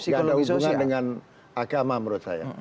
tidak ada hubungan dengan agama menurut saya